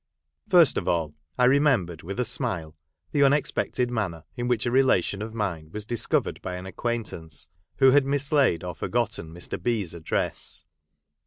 First of all I remembered, with a smile, the unexpected manner in which a relation of mine was discovered by an acquaintance, who had mislaid or forgotten Mr. B.'s address.